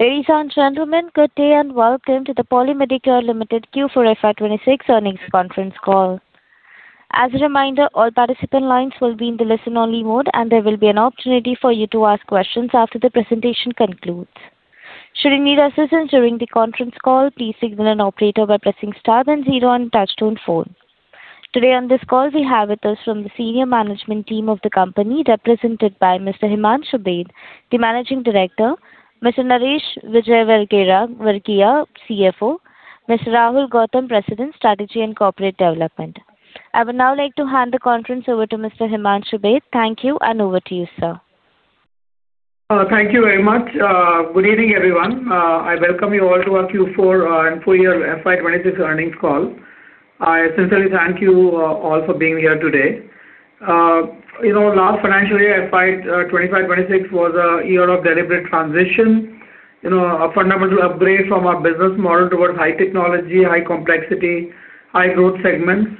Ladies and gentlemen, good day and welcome to the Poly Medicure Limited Q4 FY 2026 earnings conference call. As a reminder, all participant lines will be in the listen only mode, and there will be an opportunity for you to ask questions after the presentation concludes. Should you need assistance during the conference call, please signal an operator by pressing star then zero on your touch-tone phone. Today on this call, we have with us from the senior management team of the company, represented by Mr. Himanshu Baid, the Managing Director, Mr. Naresh Vijayvergiya, CFO, Mr. Rahul Gautam, President, Strategy and Corporate Development. I would now like to hand the conference over to Mr. Himanshu Baid. Thank you, and over to you, sir. Thank you very much. Good evening, everyone. I welcome you all to our Q4 and full-year FY 2026 earnings call. I sincerely thank you all for being here today. Last financial year, FY 2025/2026 was a year of deliberate transition. A fundamental upgrade from our business model toward high technology, high complexity, high growth segments.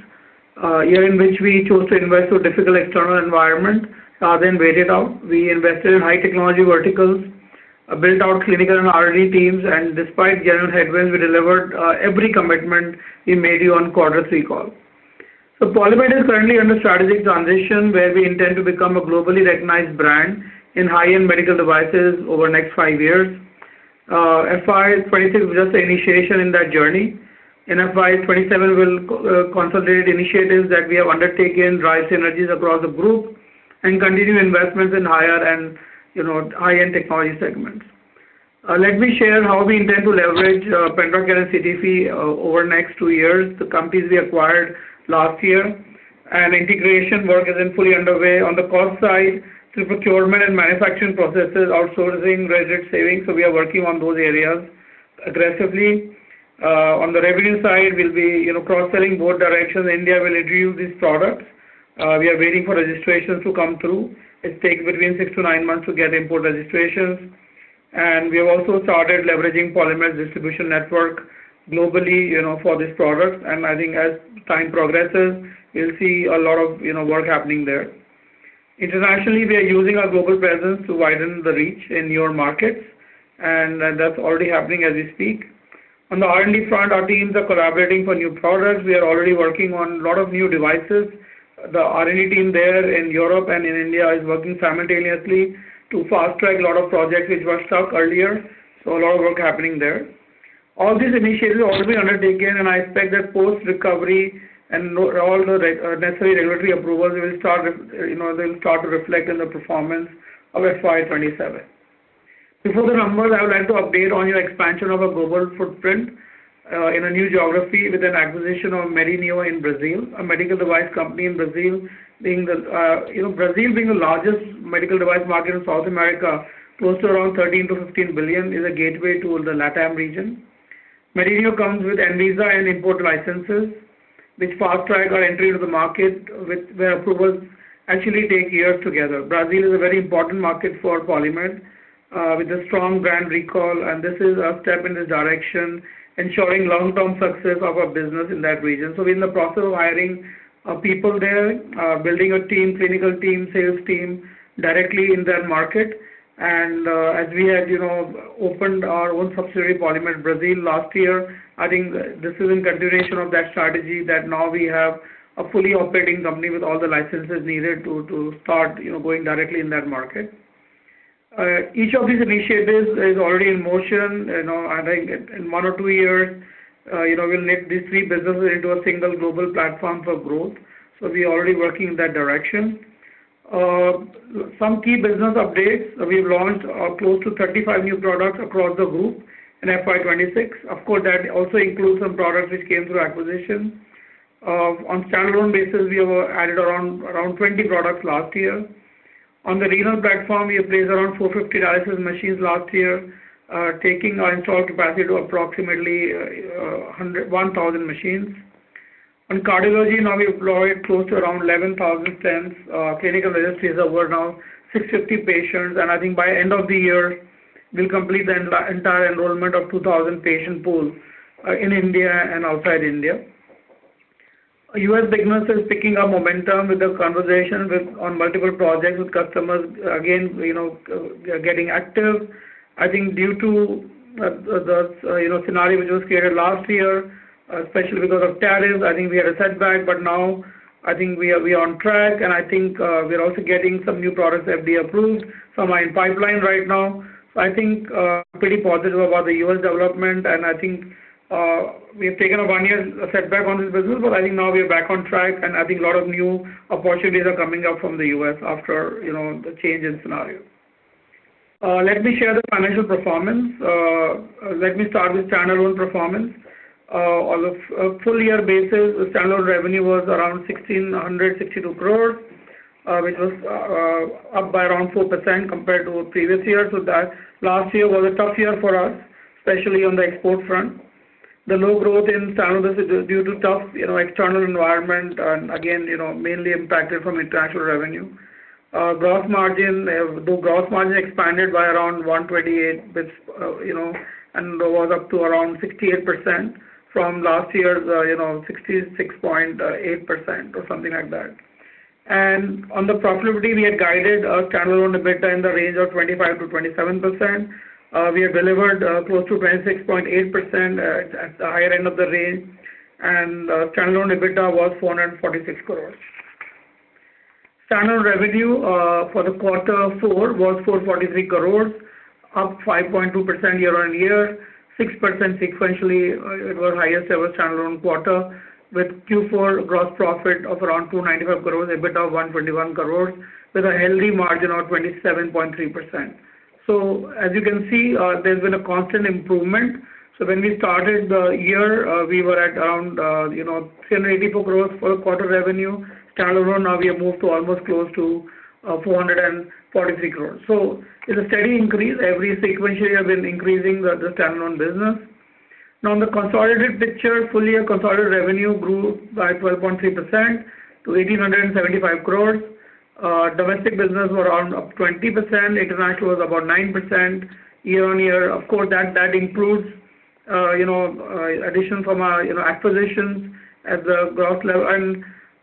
A year in which we chose to invest in a difficult external environment, rather than wait it out. We invested in high technology verticals, built out clinical and R&D teams, and despite general headwinds, we delivered every commitment we made you on Q3 call. Poly Medicure is currently on a strategic transition where we intend to become a globally recognized brand in high-end medical devices over the next five years. FY 2026 is just the initiation in that journey. In FY 2027, we'll concentrate initiatives that we have undertaken, drive synergies across the group, and continue investments in high-end technology segments. Let me share how we intend to leverage PendraCare and Citieffe over the next two years, the companies we acquired last year, and integration work is in fully underway. On the cost side, through procurement and manufacturing processes, outsourcing, leverage savings. We are working on those areas aggressively. On the revenue side, we'll be cross-selling both directions. India will introduce these products. We are waiting for registrations to come through. It takes between six to nine months to get import registrations. We have also started leveraging Polymed's distribution network globally for this product. I think as time progresses, you'll see a lot of work happening there. Internationally, we are using our global presence to widen the reach in new markets, and that's already happening as we speak. On the R&D front, our teams are collaborating for new products. We are already working on a lot of new devices. The R&D team there in Europe and in India is working simultaneously to fast-track a lot of projects which were stuck earlier. A lot of work happening there. All these initiatives are already undertaken, and I expect that post-recovery and all the necessary regulatory approvals will start to reflect in the performance of FY 2027. Before the numbers, I would like to update on the expansion of our global footprint in a new geography with an acquisition of MEDYNEO in Brazil, a medical device company in Brazil. Brazil being the largest medical device market in South America, close to around 13 billion-15 billion, is a gateway towards the LATAM region. MEDYNEO comes with ANVISA and import licenses, which fast-track our entry to the market where approvals actually take years together. Brazil is a very important market for Poly Medicure, with a strong brand recall, this is a step in the direction ensuring long-term success of our business in that region. We're in the process of hiring people there, building a team, clinical team, sales team, directly in their market. As we had opened our own subsidiary, Polymed Brazil LTDA last year, I think this is in continuation of that strategy that now we have a fully operating company with all the licenses needed to start going directly in that market. Each of these initiatives is already in motion. I think in one or two years, we'll link these three businesses into a single global platform for growth. We are already working in that direction. Some key business updates. We've launched close to 35 new products across the group in FY 2026. Of course, that also includes some products which came through acquisitions. On a standalone basis, we added around 20 products last year. On the renal platform, we placed around 450 dialysis machines last year, taking our installed capacity to approximately 1,000 machines. On cardiology, now we've enrolled close to around 11,000 stents. Clinical registry is over around 650 patients. I think by end of the year, we'll complete the entire enrollment of 2,000 patient pools in India and outside India. U.S. business is picking up momentum with our conversation on multiple projects with customers. Again, they're getting active. I think due to the scenario we just created last year, especially because of tariffs, I think we had a setback. Now, I think we are on track, I think we are also getting some new products that we approved. Some are in pipeline right now. I think, pretty positive about the U.S. development, I think we've taken a one-year setback on this business. I think now we're back on track, I think a lot of new opportunities are coming up from the U.S. after the change in scenario. Let me share the financial performance. Let me start with standalone performance. On a full-year basis, the standalone revenue was around 1,662 crore, which was up by around 4% compared to previous year. Last year was a tough year for us, especially on the export front. The low growth in standalone business is due to tough external environment and again, mainly impacted from international revenue. Though gross margin expanded by around 128 and was up to around 68% from last year's 66.8% or something like that. On the profitability, we had guided our standalone EBITDA in the range of 25%-27%. We have delivered close to 26.8% at the higher end of the range. Standalone EBITDA was 446 crores. Standalone revenue for the Q4 was 443 crores, up 5.2% year-over-year, 6% sequentially. It was highest ever standalone quarter with Q4 gross profit of around 295 crores, EBITDA 121 crores, with a healthy margin of 27.3%. As you can see, there's been a constant improvement. When we started the year, we were at around 384 crores for quarter revenue. Standalone, now we have moved to almost close to 443 crores. It's a steady increase. Every sequentially, we have been increasing the standalone business. Now, on the consolidated picture, full-year consolidated revenue grew by 12.3% to 1,875 crores. Domestic business were around up 20%, international was about 9% year-on-year. Of course, that includes addition from our acquisitions at the growth level.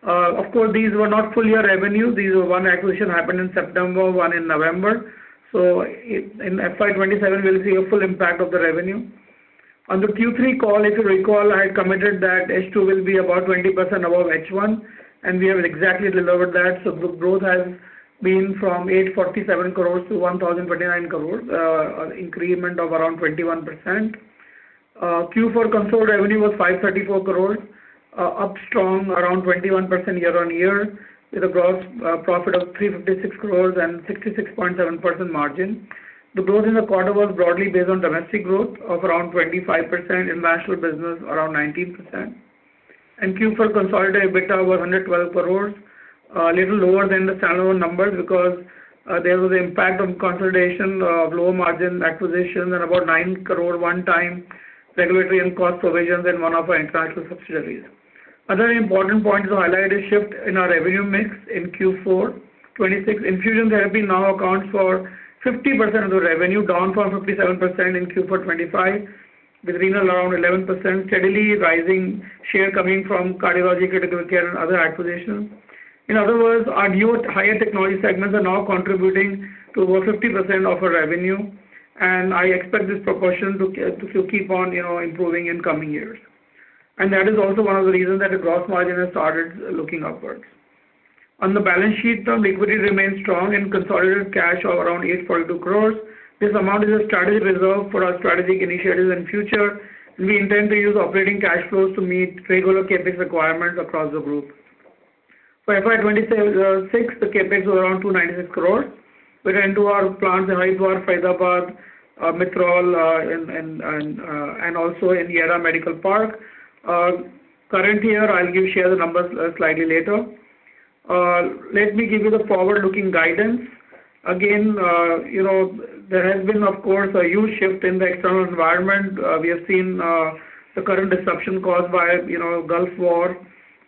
Of course, these were not full-year revenue. These were one acquisition happened in September, one in November. In FY 2027, we'll see a full impact of the revenue. On the Q3 call, if you recall, I had commented that H2 will be about 20% above H1, and we have exactly delivered that. The growth has been from 847 crores to 1,029 crores, an increment of around 21%. Q4 consolidated revenue was 534 crores, up strong around 21% year-on-year, with a gross profit of 356 crores and 66.7% margin. The growth in the quarter was broadly based on domestic growth of around 25%, international business around 19%. Q4 consolidated EBITDA was 112 crores, a little lower than the standalone numbers because there was the impact of consolidation of low-margin acquisitions and about 9 crore one time regulatory and cost provisions in one of our international subsidiaries. Other important points to highlight is shift in our revenue mix in Q4 2026. Infusion therapy now accounts for 50% of the revenue, down from 57% in Q4 2025, with renal around 11%, steadily rising share coming from cardiology, critical care, and other acquisitions. In other words, our newer higher technology segments are now contributing to over 50% of our revenue, and I expect this proportion to keep on improving in coming years. That is also one of the reasons that the gross margin has started looking upwards. On the balance sheet, term liquidity remains strong in consolidated cash of around 842 crores. This amount is a strategic reserve for our strategic initiatives in future, and we intend to use operating cash flows to meet regular CapEx requirements across the group. For FY 2026, the CapEx was around 296 crores. We went to our plants in Raigarh, Faridabad, Mitrol, and also in YEIDA Medical Park. Current year, I will share the numbers slightly later. Let me give you the forward-looking guidance. There has been, of course, a huge shift in the external environment. We have seen the current disruption caused by Gulf War.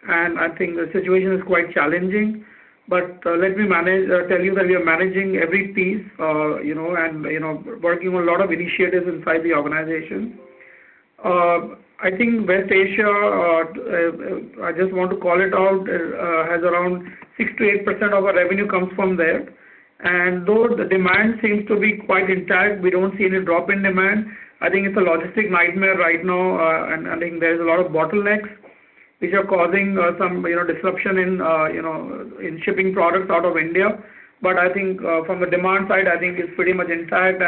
I think the situation is quite challenging. Let me tell you that we are managing every piece and working on a lot of initiatives inside the organization. I think West Asia, I just want to call it out, has around 6%-8% of our revenue comes from there. Though the demand seems to be quite intact, we don't see any drop in demand. I think it's a logistic nightmare right now. I think there's a lot of bottlenecks which are causing some disruption in shipping products out of India. I think from the demand side, I think it's pretty much intact.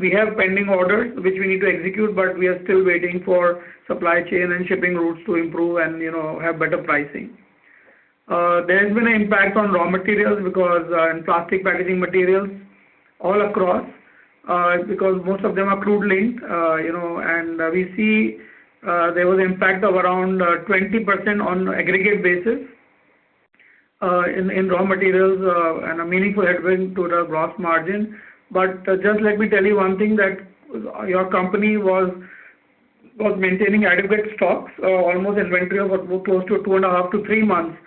We have pending orders which we need to execute. We are still waiting for supply chain and shipping routes to improve and have better pricing. There has been an impact on raw materials and plastic packaging materials all across, because most of them are crude linked. We see there was impact of around 20% on aggregate basis in raw materials and a meaningful headwind to the gross margin. Just let me tell you one thing that your company was maintaining adequate stocks. Almost inventory of close to two and a half to three months.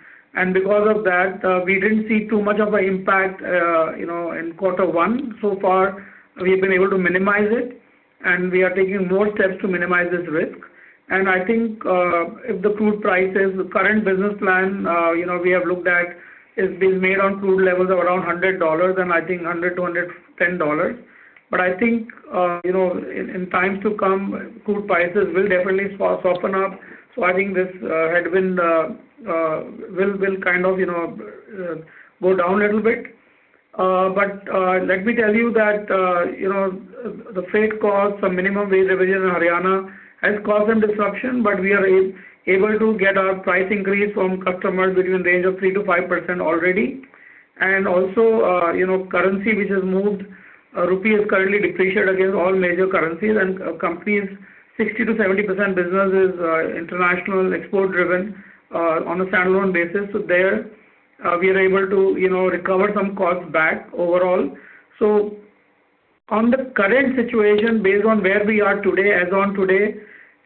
Because of that, we didn't see too much of a impact in Q1. So far, we've been able to minimize it, and we are taking more steps to minimize this risk. I think if the crude prices, the current business plan we have looked at is being made on crude levels of around $100 and I think $100-$110. I think in times to come, crude prices will definitely soften up. I think this headwind will kind of go down a little bit. Let me tell you that the freight costs and minimum wage revision in Haryana has caused some disruption, but we are able to get our price increase from customers between range of 3%-5% already. Also currency which has moved. Rupee has currently depreciated against all major currencies and company's 60%-70% business is international export driven on a standalone basis. There, we are able to recover some costs back overall. On the current situation, based on where we are today, as on today,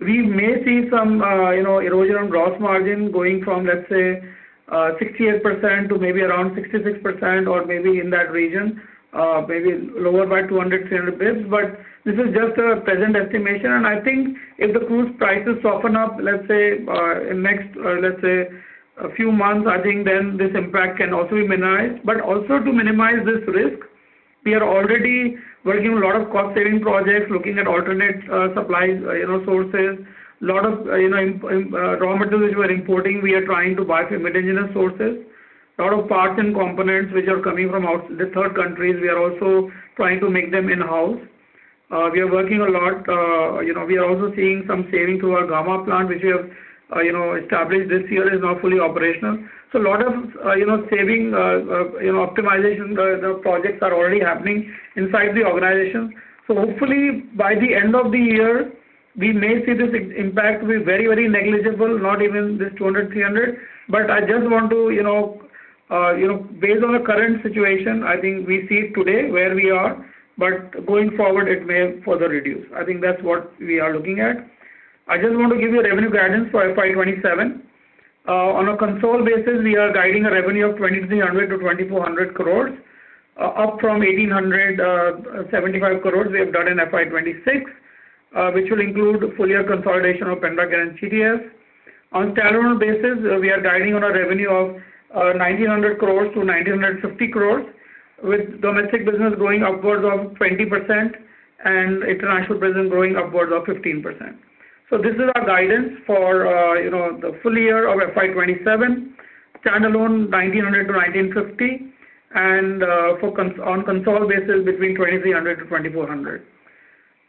we may see some erosion on gross margin going from, let's say, 68% to maybe around 66% or maybe in that region. Maybe lower by 200, 300 basis points. This is just a present estimation. If the crude prices soften up, let's say a few months, then this impact can also be minimized. Also, to minimize this risk, we are already working on a lot of cost-saving projects, looking at alternate supply sources. A lot of raw materials which we were importing, we are trying to buy from indigenous sources. A lot of parts and components which are coming from the third countries, we are also trying to make them in-house. We are working a lot. We are also seeing some saving to our Gamma plant, which we have established this year, is now fully operational. A lot of saving optimization projects are already happening inside the organization. Hopefully, by the end of the year, we may see this impact to be very negligible, not even this 200, 300. Based on the current situation, I think we see it today where we are, but going forward, it may further reduce. I think that's what we are looking at. I just want to give you revenue guidance for FY 2027. On a consolidated basis, we are guiding a revenue of 2,300 crore-2,400 crore, up from 1,875 crore we have done in FY 2026, which will include full-year consolidation of PendraCare and Citieffe. On standalone basis, we are guiding on a revenue of 1,900 crore-1,950 crore, with domestic business going upwards of 20% and international business going upwards of 15%. This is our guidance for the full-year of FY 2027, standalone 1,900 crore-1,950 crore, and on consolidated basis between 2,300 crore-2,400 crore.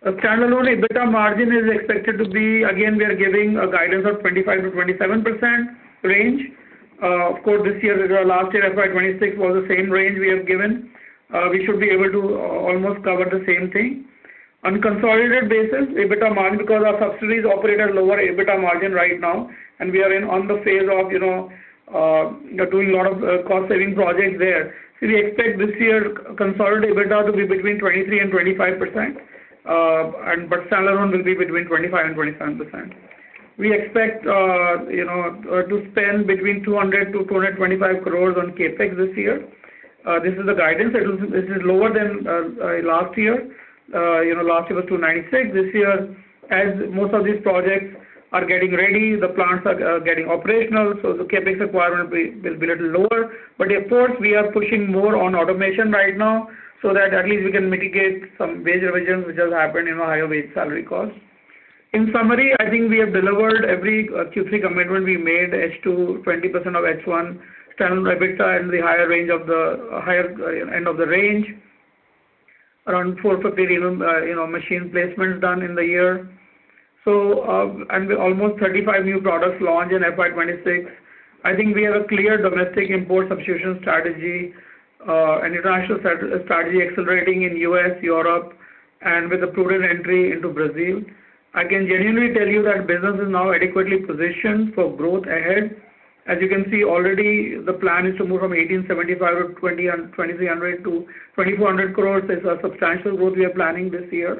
Standalone EBITDA margin is expected to be, again, we are giving a guidance of 25%-27% range. Of course, this year as well as last year, FY 2026 was the same range we have given. We should be able to almost cover the same thing. On consolidated basis, EBITDA margin, because our facilities operate at a lower EBITDA margin right now, and we are in on the phase of doing a lot of cost-saving projects there. We expect this year consolidated EBITDA to be between 23% and 25%, but standalone will be between 25% and 27%. We expect to spend between 200-225 crores on CapEx this year. This is the guidance. This is lower than last year. Last year was 296. This year, as most of these projects are getting ready, the plants are getting operational, the CapEx requirement will be a little lower. Of course, we are pushing more on automation right now, so that at least we can mitigate some wage revisions, which has happened in our higher wage salary cost. In summary, I think we have delivered every Q3 commitment we made. H2, 20% of H1, standalone EBITDA in the higher end of the range. Around 450 million machine placements done in the year. Almost 35 new products launched in FY 2026. I think we have a clear domestic import substitution strategy, international strategy accelerating in U.S., Europe, and with a prudent entry into Brazil. I can genuinely tell you that business is now adequately positioned for growth ahead. As you can see, already the plan is to move from 1,875 crore to 2,300 crore to 2,400 crore is a substantial growth we are planning this year.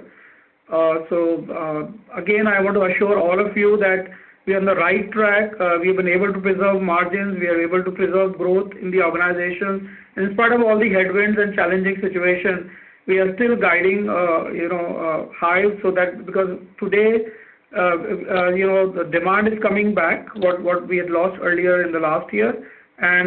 Again, I want to assure all of you that we are on the right track. We've been able to preserve margins. We are able to preserve growth in the organization. In spite of all the headwinds and challenging situation, we are still guiding high because today, the demand is coming back, what we had lost earlier in the last year.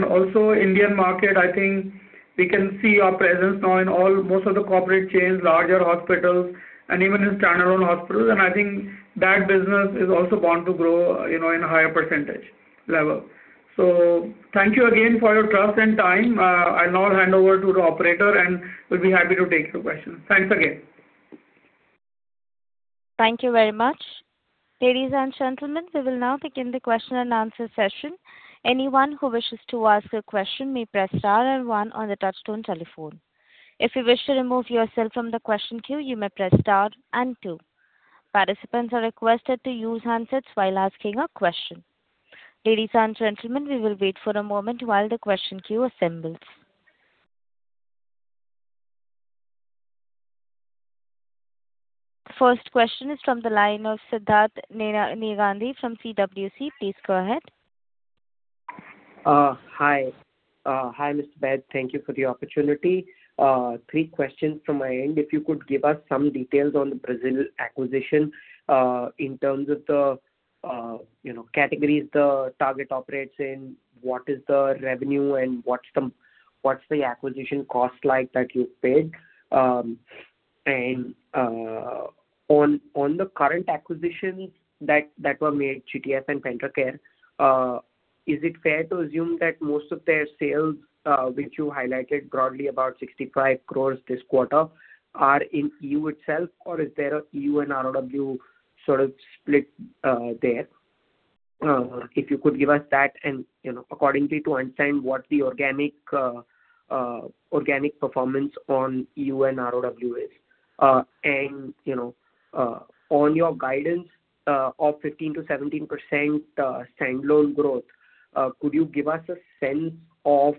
Also Indian market, I think we can see our presence now in most of the corporate chains, larger hospitals, and even in standalone hospitals. I think that business is also going to grow in a higher percentage level. Thank you again for your trust and time. I'll now hand over to the operator, and we'll be happy to take your questions. Thanks again. Thank you very much. Ladies and gentlemen, we will now begin the question-and -answer session. Anyone who wishes to ask a question may press star and one on the touch-tone telephone. If you wish to remove yourself from the question queue, you may press star and two. Participants are requested to use handsets while asking a question. Ladies and gentlemen we will wait for a moment while the question queue assembles. First question is from the line of Sidharth Negandhi from CWC. Please go ahead. Hi, Mr. Baid. Thank you for the opportunity. Three questions from my end. If you could give us some details on the Brazilian acquisition in terms of the categories the target operates in, what is the revenue, and what's the acquisition cost like that you paid? On the current acquisitions that were made, Citieffe and PendraCare, is it fair to assume that most of their sales, which you highlighted broadly about 65 crore this quarter, are in E.U. itself, or is there a E.U. and ROW sort of split there? If you could give us that and accordingly to entail what the organic performance on E.U. and ROW is. On your guidance of 15%-17% standalone growth, could you give us a sense of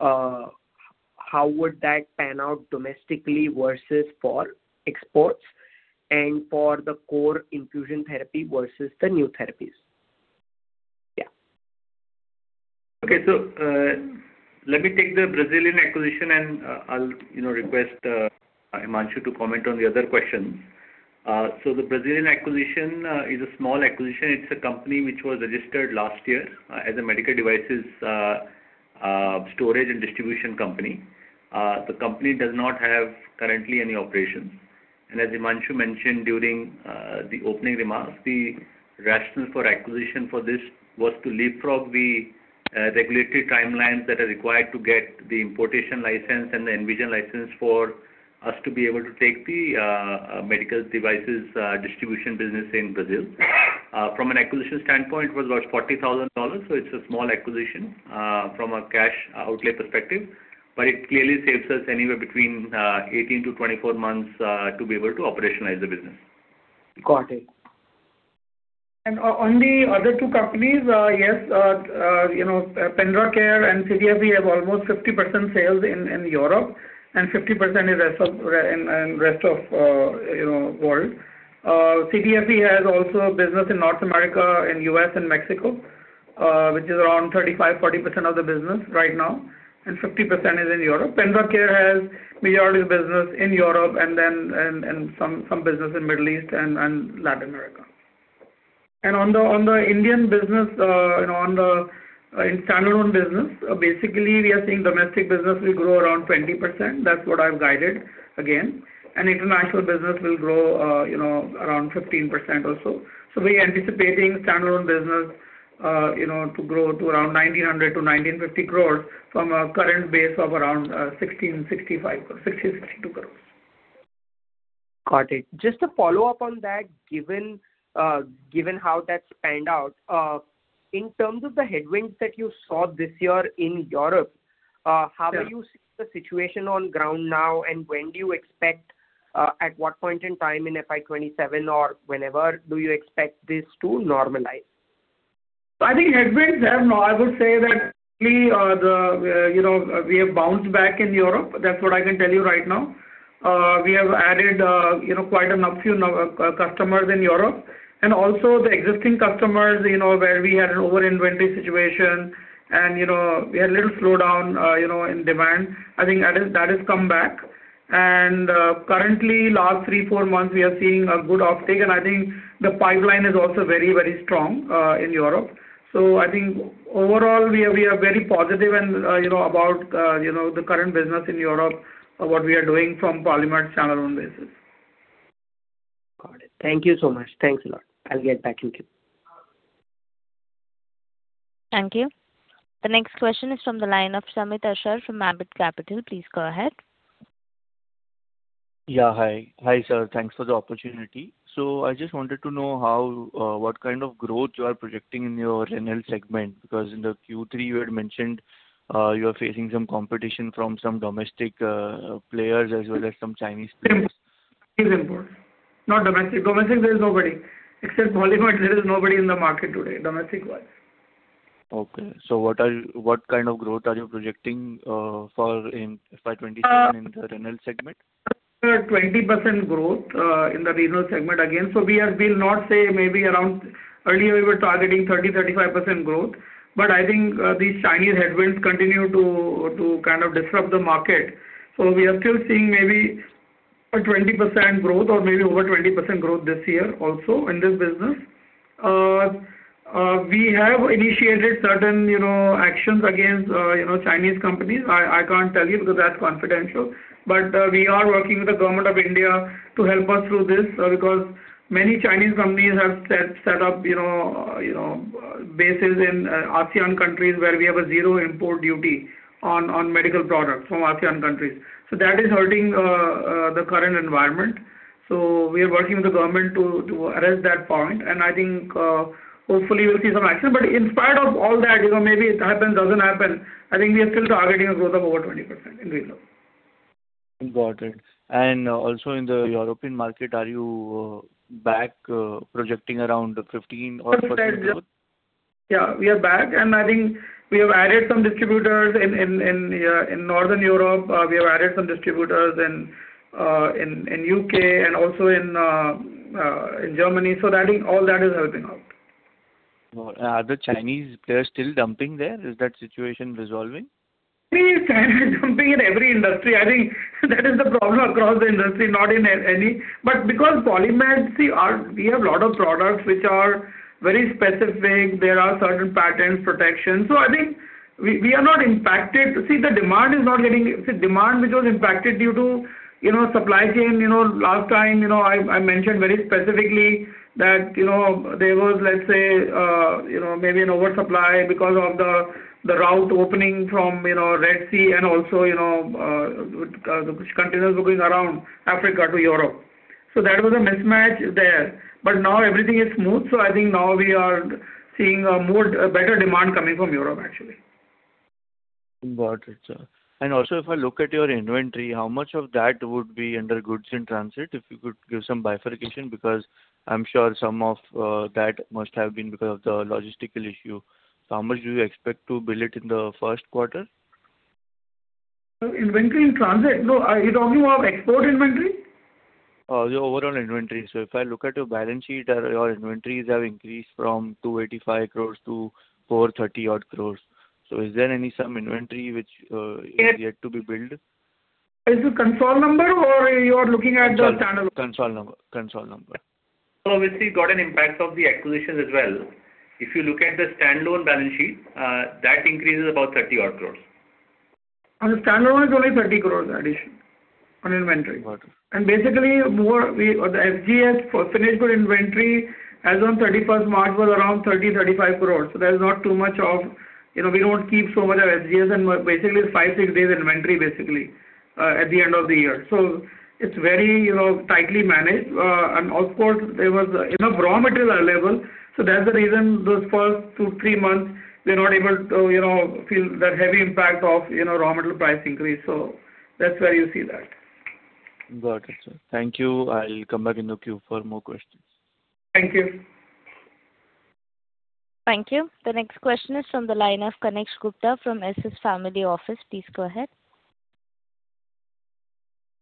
how would that pan out domestically versus for exports and for the core infusion therapy versus the new therapies? Okay. let me take the Brazilian acquisition, and I'll request Himanshu to comment on the other questions. The Brazilian acquisition is a small acquisition. It's a company which was registered last year as a medical devices storage and distribution company. The company does not have currently any operations. As Himanshu mentioned during the opening remarks, the rationale for acquisition for this was to leapfrog the regulatory timelines that are required to get the importation license and the ANVISA license for us to be able to take the medical devices distribution business in Brazil. From an acquisition standpoint, it was about $40,000, so it's a small acquisition from a cash outlay perspective, but it clearly saves us anywhere between 18-24 months to be able to operationalize the business. Got it. On the other two companies, yes, PendraCare and Citieffe have almost 50% sales in Europe and 50% in rest of world. Citieffe has also a business in North America, in U.S. and Mexico, which is around 35%-40% of the business right now, and 50% is in Europe. PendraCare has majority business in Europe and some business in Middle East and Latin America. On the Indian business and on the standalone business, basically we are seeing domestic business will grow around 20%. That's what I've guided again. International business will grow around 15% also. We're anticipating standalone business to grow to around 1,900 crores-1,950 crores from a current base of around 1,662 crores. Got it. Just to follow up on that, given how that panned out, in terms of the headwinds that you saw this year in Europe. Yeah. How do you see the situation on ground now and when do you expect, at what point in time in FY 2027 or whenever, do you expect this to normalize? I think headwinds have not. I would say that we have bounced back in Europe. That's what I can tell you right now. We have added quite a few customers in Europe, and also the existing customers, where we had an over-inventory situation, and we had a little slowdown in demand. I think that has come back. Currently, last three, four months, we are seeing a good uptake, and I think the pipeline is also very strong in Europe. I think overall we are very positive about the current business in Europe, what we are doing from PolyMed's standalone basis. Got it. Thank you so much. Thanks a lot. I'll get back with you. Thank you. The next question is from the line of Shamit Ashar from Ambit Capital. Please go ahead. Yeah, hi. Hi, sir. Thanks for the opportunity. I just wanted to know what kind of growth you are projecting in your renal segment, because in the Q3 you had mentioned you are facing some competition from some domestic players as well as some Chinese players. Import. Not domestic. Domestic there's nobody. Except PolyMed, there is nobody in the market today, domestic-wise. Okay, what kind of growth are you projecting for in FY 2027 in the renal segment? 20% growth in the renal segment again. Earlier we were targeting 30%, 35% growth, but I think these Chinese headwinds continue to kind of disrupt the market. We are still seeing maybe a 20% growth or maybe over 20% growth this year also in this business. We have initiated certain actions against Chinese companies. I can't tell you because that's confidential, but we are working with the Government of India to help us through this, because many Chinese companies have set up bases in ASEAN countries where we have a zero import duty on medical products from ASEAN countries. That is hurting the current environment. I think hopefully we'll see some action. In spite of all that, maybe it happens, doesn't happen, I think we are still targeting a growth of over 20% in renal. Also in the European market, are you back projecting around 15% or 14%? Yeah, we are back. I think we have added some distributors in Northern Europe, we have added some distributors in U.K. and also in Germany. I think all that is helping out. Are the Chinese players still dumping there? Is that situation resolving? Chinese dumping in every industry. I think that is the problem across the industry, not in any because Polymed, we have a lot of products which are very specific. There are certain patent protections. I think we are not impacted. See, the demand which was impacted due to supply chain last time, I mentioned very specifically that there was, let's say, maybe an oversupply because of the route opening from Red Sea and also which continues going around Africa to Europe. That was a mismatch there. Now everything is smooth, I think now we are seeing a better demand coming from Europe actually. Got it, sir. Also if I look at your inventory, how much of that would be under goods in transit, if you could give some bifurcation, because I am sure some of that must have been because of the logistical issue. How much do you expect to bill it in the Q1? Inventory in transit? No. Are you talking about export inventory? Your overall inventory. If I look at your balance sheet, your inventories have increased from 285 crores to 430 odd crores. Is there any inventory which is yet to be billed? Is it console number or you are looking at the standalone? Console number. Obviously got an impact of the acquisitions as well. If you look at the standalone balance sheet, that increases about 30 crores. On the standalone, it's only 30 crores addition on inventory. Basically, the FG for finished goods inventory as on 31st March was around 30, 35 crores. We don't keep so much of FG and basically it's five, six days inventory basically, at the end of the year. It's very tightly managed. Of course, there was enough raw materials available. That's the reason those first two, three months we're not able to feel that heavy impact of raw material price increase. That's why you see that. Got it, sir. Thank you. I'll come back in the queue for more questions. Thank you. Thank you. The next question is from the line of Kanishk Gupta from Axis Family Office. Please go ahead.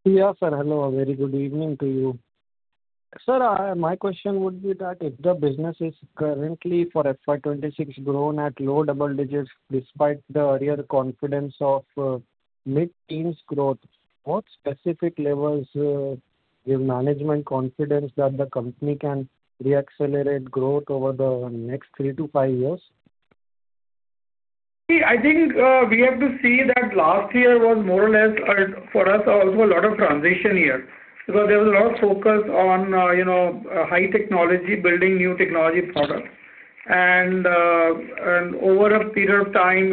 Sir, hello, a very good evening to you. Sir, my question would be that if the business is currently for FY 2026 grown at low double digits despite the earlier confidence of mid-teens growth, what specific levels give management confidence that the company can re-accelerate growth over the next three to five years? See, I think we have to see that last year was more or less for us also a lot of transition year. There was a lot of focus on high technology, building new technology products. Over a period of time,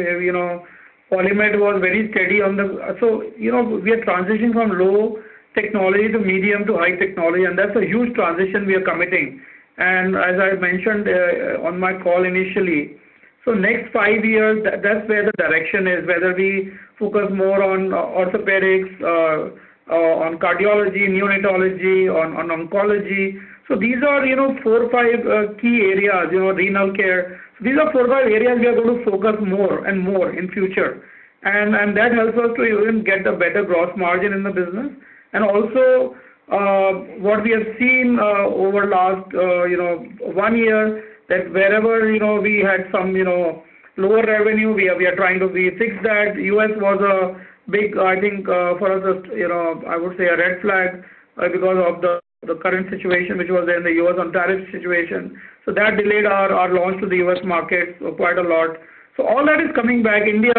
Polymed was very steady, we are transitioning from low technology to medium to high technology, and that's a huge transition we are committing. As I mentioned on my call initially, next five years, that's where the direction is, whether we focus more on orthopedics, on cardiology, neonatology, on oncology. These are four or five key areas, renal care. These are four or five areas we are going to focus more and more in future. That helps us to even get a better gross margin in the business. And also what we have seen over last one year that wherever we had some lower revenue, we are trying to fix that. U.S. was a big, I think for us, I would say a red flag because of the current situation which was in the U.S. on tariff situation. That delayed our launch to the U.S. market quite a lot. All that is coming back. India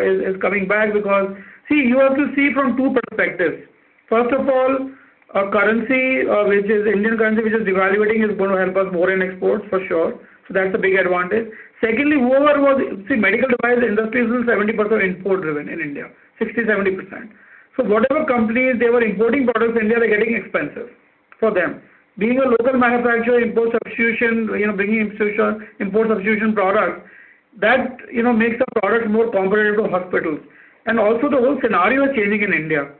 is coming back because, see, you have to see from two perspectives. First of all, currency, which is Indian currency, which is devaluing, is going to help us more in exports for sure. That's a big advantage. Secondly, overall, see medical device industry is 70% import-driven in India, 60%, 70%. Whatever companies they were importing products, India was getting expensive for them. Being a local manufacturer, import substitution, bringing import substitution product, that makes the product more comparable to hospitals. Also the whole scenario is changing in India.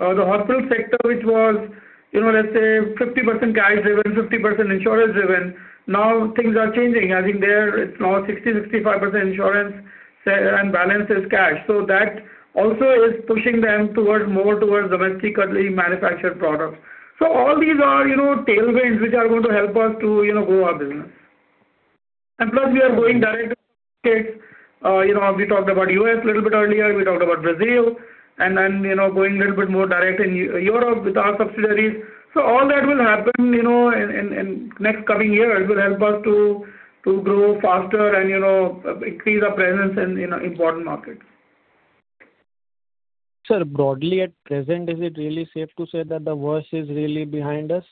The hospital sector which was, let's say 50% cash-driven, 50% insurance-driven. Now things are changing. I think it's now 60%, 65% insurance and balance is cash. That also is pushing them more towards domestically manufactured products. All these are tailwinds which are going to help us to grow our business. Plus we are going direct to market. We talked about U.S. a little bit earlier. We talked about Brazil and then going a little bit more direct in Europe with our subsidiaries. All that will happen in next coming year. It will help us to grow faster and increase our presence in important markets. Sir, broadly at present, is it really safe to say that the worst is really behind us?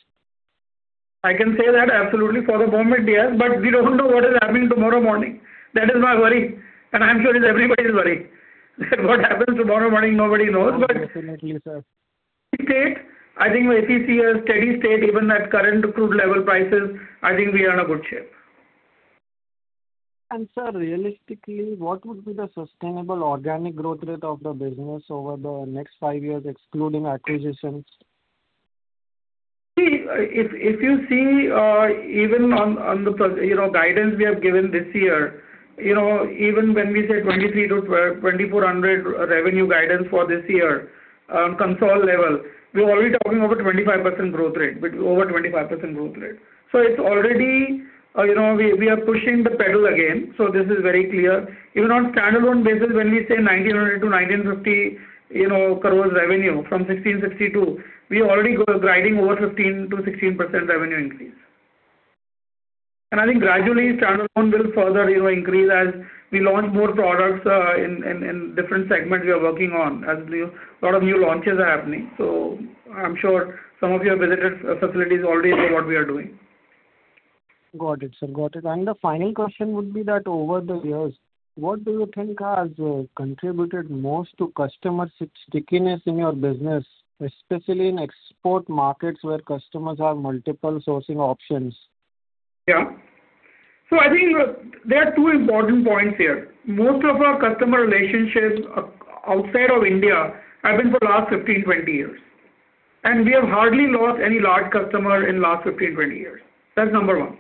I can say that absolutely for the moment, yes, we don't know what is happening tomorrow morning. That is my worry. I'm sure it's everybody's worry. That what happens tomorrow morning, nobody knows. Definitely, sir. Steady state. I think we see a steady state even at current approved level prices. I think we are in a good shape. Sir, realistically, what would be the sustainable organic growth rate of the business over the next five years excluding acquisitions? If you see even on the guidance we have given this year, even when we say 2,300-2,400 revenue guidance for this year, consolidated level, we are already talking about 25% growth rate, over 25% growth rate. It is already, we are pushing the pedal again. This is very clear. Even on standalone basis, when we say 1,900 crore-1,950 crore revenue from 1,652 crore, we are already guiding over 15%-16% revenue increase. I think gradually standalone will further increase as we launch more products in different segments we are working on as lot of new launches are happening. I am sure some of you have visited facilities already to know what we are doing. Got it, sir. The final question would be that over the years, what do you think has contributed most to customer stickiness in your business, especially in export markets where customers have multiple sourcing options? Yeah, I think there are two important points here. Most of our customer relationships outside of India have been for last 15, 20 years, and we have hardly lost any large customer in last 15, 20 years. That's number one.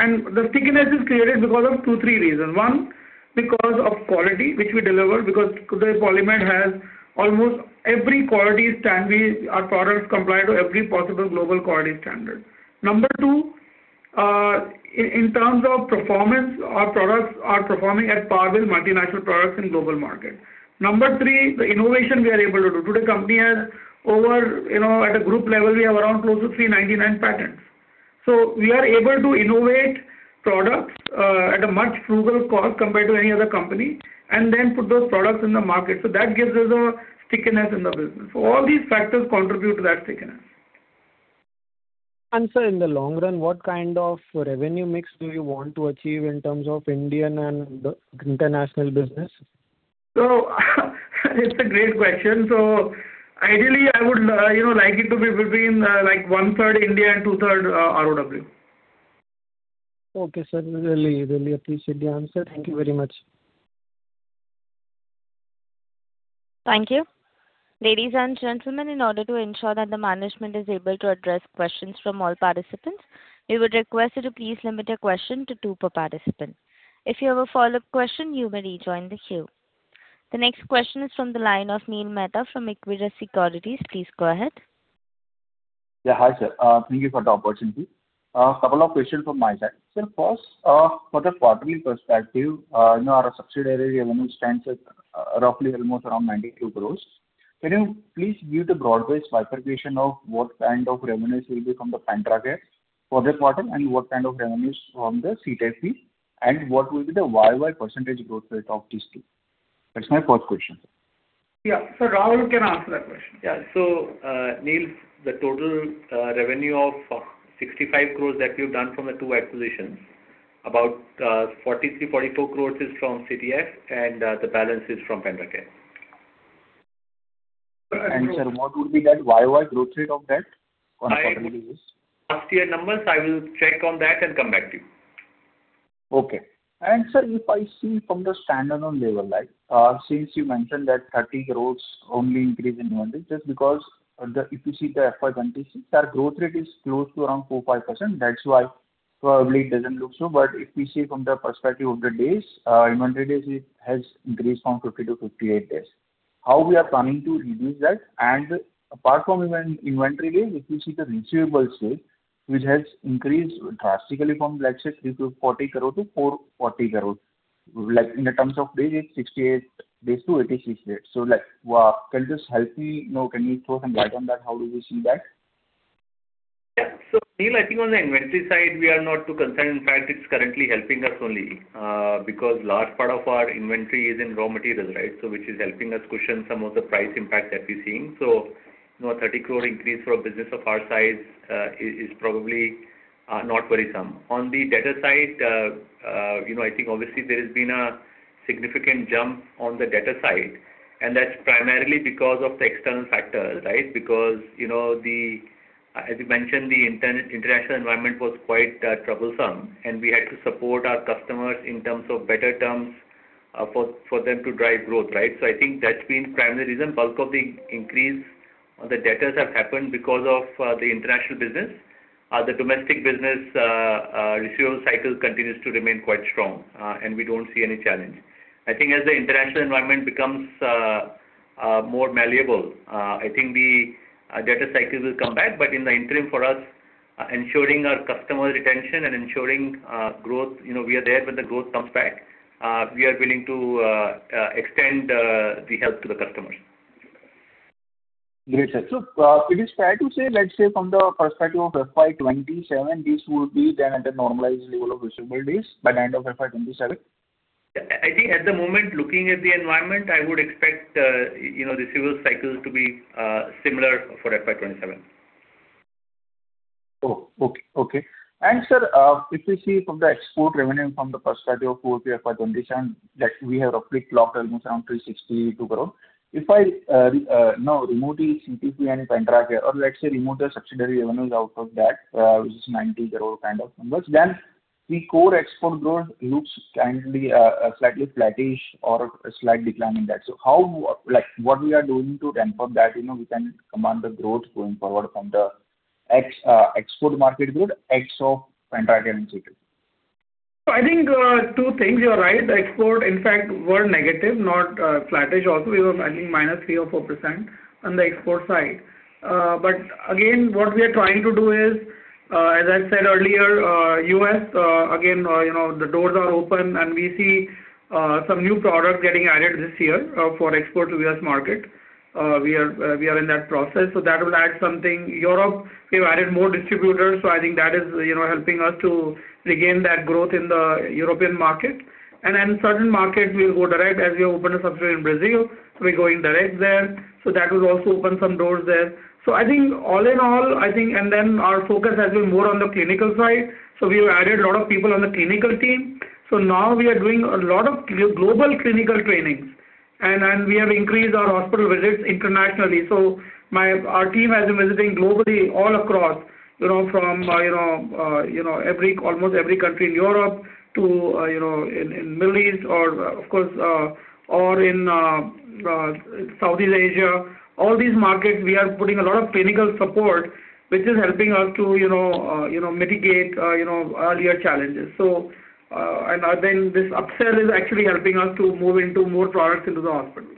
The stickiness is created because of two, three reasons. One, because of quality which we deliver because PolyMed has almost every quality standard. Our products comply to every possible global quality standard. Number two. In terms of performance, our products are performing at par with multinational products in global markets. Number three. The innovation we are able to do. The company has, at a group level, we have around close to 399 patents. We are able to innovate products at a much frugal cost compared to any other company, and then put those products in the market. That gives us a stickiness in the business. All these factors contribute to that stickiness. Sir, in the long run, what kind of revenue mix do you want to achieve in terms of Indian and international business? That's a great question. Ideally I would like it to be between one-third India and two-third RoW. Okay. Certainly, really appreciate the answer. Thank you very much. Thank you. Ladies and gentlemen, in order to ensure that the management is able to address questions from all participants, we would request you to please limit your question to two per participant. If you have a follow-up question, you may rejoin the queue. The next question is from the line of Neel Mehta from Equirus Securities. Please go ahead. Hi, sir. Thank you for the opportunity. A couple of questions from my side. Sir, first, for the quarterly perspective, our subsidiary revenue stands at roughly almost around 92 crores. Can you please give the broad-based bifurcation of what kind of revenues will be from the PendraCare for that quarter, and what kind of revenues from the CTIP, and what will be the YoY % growth rate of these two? That's my first question. Yeah. Rahul can answer that question. Yeah. Neel, the total revenue of 65 crores that we've done from the two acquisitions, about 43-44 crores is from CTIP and the balance is from PendraCare. Sir, what would be that year-over-year growth rate of that on a quarterly basis? Last year numbers, I will check on that and come back to you. Okay. Sir, if I see from the standalone level, since you mentioned that 30 crore only increase in inventory, just because if you see the FY 2026, that growth rate is close to around 4%, 5%. That's why probably it doesn't look so, but if we see from the perspective of the days, inventory days, it has increased from 50 to 58 days. How we are planning to reduce that? Apart from inventory days, if you see the receivable side, which has increased drastically from, let's say, 340 crore to 440 crore. Like in terms of days, it's 68 days to 86 days. Can you throw some light on that? How do you see that? Neel, I think on the inventory side, we are not too concerned. In fact, it's currently helping us only because large part of our inventory is in raw material. Which is helping us cushion some of the price impact that we're seeing. 30 crore increase for a business of our size is probably not worrisome. On the debtor side, I think obviously there has been a significant jump on the debtor side, and that's primarily because of external factors, right? As you mentioned, the international environment was quite troublesome, and we had to support our customers in terms of better terms for them to drive growth, right? I think that's been primary reason, bulk of the increase on the debtors have happened because of the international business. The domestic business receivable cycle continues to remain quite strong and we don't see any challenge. I think as the international environment becomes more malleable I think the debtor cycles will come back. In the interim for us, ensuring our customer retention and ensuring growth, we are there when the growth comes back. We are willing to extend the help to the customers. Yes, sir. It is fair to say, let's say from the perspective of FY 2027, this would be then the normalized level of receivable days by the end of FY 2027? I think at the moment, looking at the environment, I would expect receivable cycles to be similar for FY 2027. Sir, if we see from the export revenue from the perspective of quarter, if I understand that we have a quick look at around 362 crore. If I now remove the CTIP and PendraCare or let's say remove the subsidiary revenue out of that, which is 90 crore kind of numbers, the core export growth looks slightly flattish or a slight decline in that. What we are doing to temper that? We can command the growth going forward from the export market growth ex of PendraCare and CTIP. I think two things. You're right. The export, in fact, were negative, not flattish also. It was I think minus three or four % on the export side. Again, what we are trying to do is, as I said earlier, U.S. again, the doors are open, and we see some new products getting added this year for export to U.S. market. We are in that process, so that will add something. Europe, we've added more distributors, so I think that is helping us to regain that growth in the European market. Certain markets we'll go direct. As we open subsidiary in Brazil, so we're going direct there. That will also open some doors there. I think all in all, our focus has been more on the clinical side. We have added a lot of people on the clinical team. Now we are doing a lot of global clinical trainings, and we have increased our hospital visits internationally. Our team has been visiting globally all across from almost every country in Europe to in Middle East or of course in Southeast Asia. All these markets, we are putting a lot of clinical support, which is helping us to mitigate earlier challenges. I think this offset is actually helping us to move into more products into the hospital.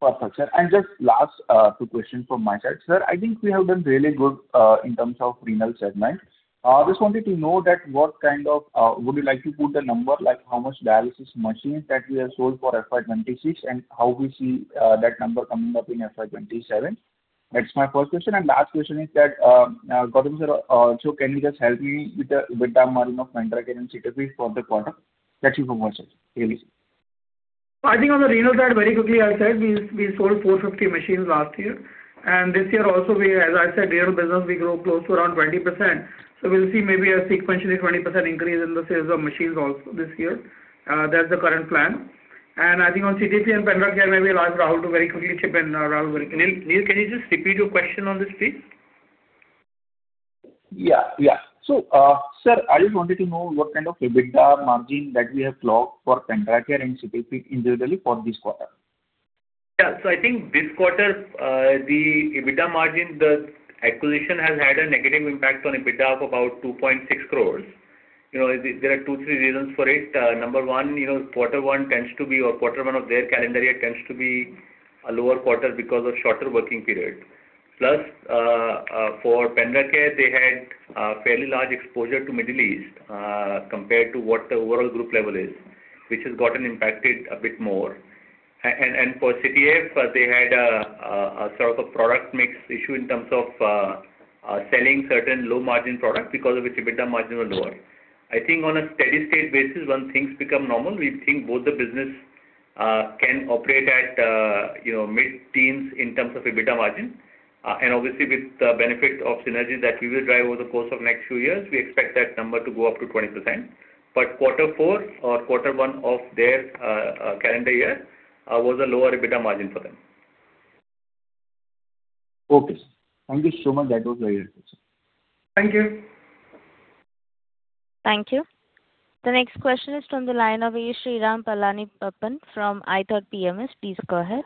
Perfect, sir. Just last two questions from my side. Sir, I think we have done really good in terms of renal segment. Just wanted to know would you like to put a number, like how much dialysis machines that we have sold for FY 2026, and how we see that number coming up in FY 2027? That's my first question. Last question is that, Mr. Gautam, also can you just help me with the margin of PendraCare and Citieffe for the quarter? That's it from my side. Really. I think on the renal side, very quickly, I said we sold 450 machines last year. This year also, as I said, renal business will grow close to around 20%. We'll see maybe a sequentially 20% increase in the sales of machines also this year. That's the current plan. I think on Citieffe and PendraCare, maybe I'll ask Rahul to very quickly chip in. Neil, can you just repeat your question on this, please? Yeah. sir, I just wanted to know what kind of EBITDA margin that we have clocked for PendraCare and Citieffe individually for this quarter? I think this quarter, the EBITDA margin, the acquisition has had a negative impact on EBITDA of about 2.6 crores. There are two, three reasons for it. Number one, Q1 of their calendar year tends to be a lower quarter because of shorter working period. For PendraCare, they had a fairly large exposure to Middle East compared to what the overall group level is, which has gotten impacted a bit more. For Citieffe, they had a sort of a product mix issue in terms of selling certain low-margin products because of which EBITDA margin was lower. I think on a steady state basis, once things become normal, we think both the business can operate at mid-teens in terms of EBITDA margin. Obviously with the benefit of synergies that we will drive over the course of next few years, we expect that number to go up to 20%. Q4 or Q1 of their calendar year was a lower EBITDA margin for them. Okay, sir. Thank you so much. That was very helpful, sir. Thank you. Thank you. The next question is from the line of A. Sriram Palaniappan from iThought PMS. Please go ahead.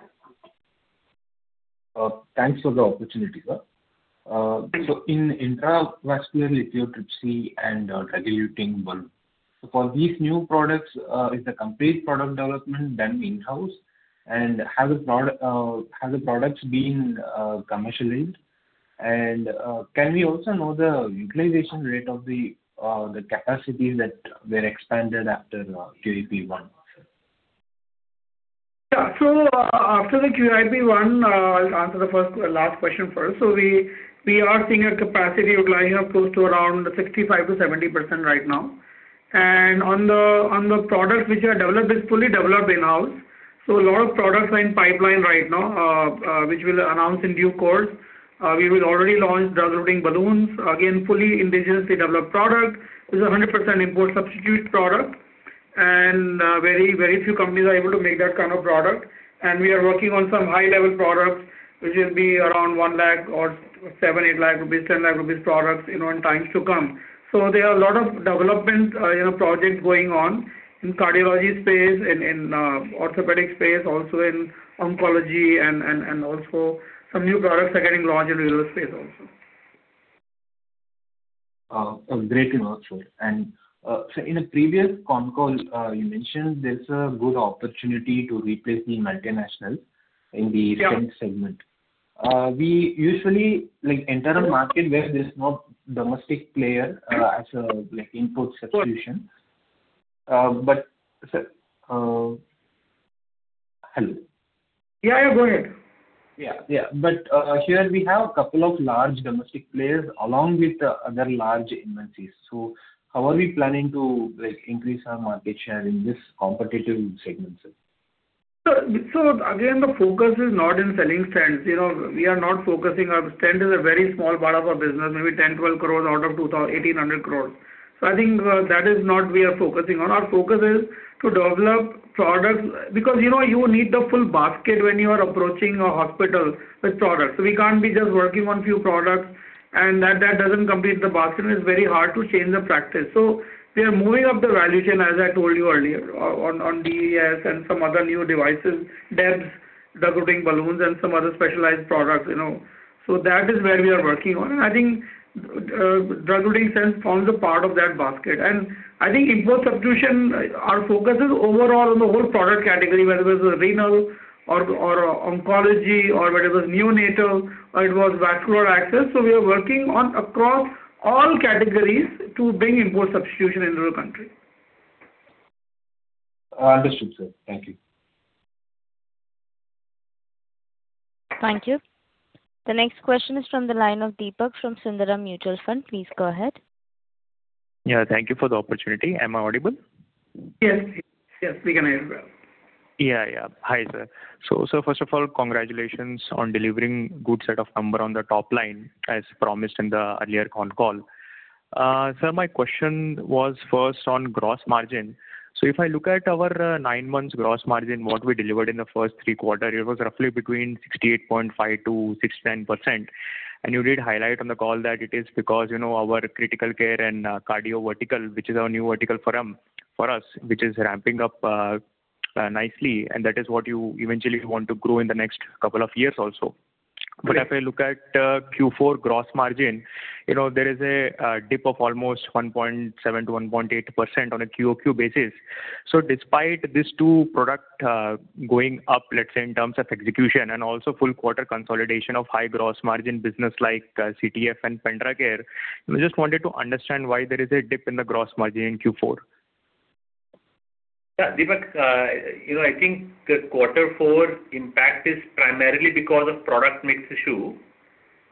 Thanks for the opportunity, sir. In intravascular lithotripsy and drug-eluting balloon, for these new products, is the complete product development done in-house? Have the products been commercialized? Can we also know the utilization rate of the capacity that were expanded after QIP one? After the QIP one, I'll answer the last question first. We are seeing a capacity utilizing close to around 65%-70% right now. On the products which are developed, it's fully developed in-house. A lot of products are in pipeline right now, which we'll announce in due course. We will already launch drug-eluting balloons, again, fully indigenously developed product. This is 100% import substitute product. Very few companies are able to make that kind of product. We are working on some high-level products, which will be around 1 lakh or 7 lakh-8 lakh rupees, 10 lakh rupees products in times to come. There are a lot of development projects going on in cardiology space, in orthopedics space, also in oncology, and also some new products are getting launched in renal space also. Great to know, sir. In a previous con call, you mentioned there's a good opportunity to replace the multinational in the stent segment. We usually enter a market where there's no domestic player as an import substitution. Sure. Sir Hello? Yeah, go ahead. Yeah. Here we have a couple of large domestic players along with other industries. How are we planning to increase our market share in this competitive segment, sir? Again, the focus is not in selling stents. Stent is a very small part of our business, maybe 10 crore, 12 crore out of 1,800 crore. I think that is not we are focusing on. Our focus is to develop products, because you need the full basket when you are approaching a hospital with products. We can't be just working on few products and that doesn't complete the basket, and it's very hard to change the practice. We are moving up the value chain, as I told you earlier, on DES and some other new devices, DEBs, drug-eluting balloons, and some other specialized products. That is where we are working on. I think drug-eluting stents forms a part of that basket. I think import substitution, our focus is overall on the whole product category, whether it was renal or oncology or whether it was neonatal or it was vascular access. We are working on across all categories to bring import substitution into the country. Understood, sir. Thank you. Thank you. The next question is from the line of Deepak from Sundaram Mutual Fund. Please go ahead. Yeah, thank you for the opportunity. Am I audible? Yes. We can hear you well. Yeah. Hi, sir. First of all, congratulations on delivering good set of number on the top line, as promised in the earlier con call. Sir, my question was first on gross margin. If I look at our nine months gross margin, what we delivered in the first three quarter, it was roughly between 68.5%-70%. You did highlight on the call that it is because our critical care and cardio vertical, which is our new vertical for us, which is ramping up nicely, and that is what you eventually want to grow in the next couple of years also. If I look at Q4 gross margin, there is a dip of almost 1.7%-1.8% on a QoQ basis. Despite these two product going up, let's say, in terms of execution and also full quarter consolidation of high gross margin business like CTF and PendraCare, we just wanted to understand why there is a dip in the gross margin in Q4. Yeah, Deepak. I think the Q4 impact is primarily because of product mix issue.